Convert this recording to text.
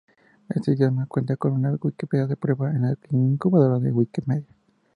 Este idioma cuenta con una "wikipedia de Prueba" en la incubadora de Wikimedia.